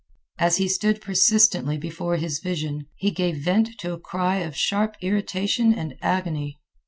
As he stood persistently before his vision, he gave vent to a cry of sharp irritation and agony.